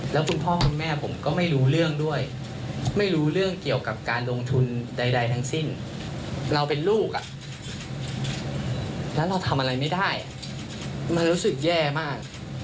แล้วเราทำอะไรไม่ได้มันรู้สึกแย่มาก